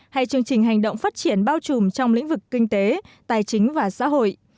hay chương trình hành động phát triển bao trùm trong lĩnh vực kinh tế tài chính và xã hội